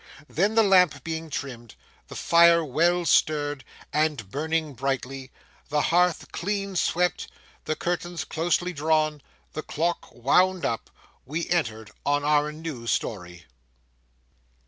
Then, the lamp being trimmed, the fire well stirred and burning brightly, the hearth clean swept, the curtains closely drawn, the clock wound up, we entered on our new story.